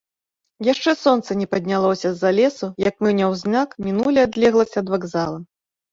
Яшчэ сонца не паднялося з-за лесу, як мы няўзнак мінулі адлегласць ад вакзала.